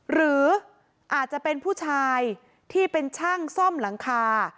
หรืออาจจะเป็นผู้ชายที่เป็นช่างซ่อมหลังคา